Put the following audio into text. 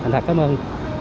thật cảm ơn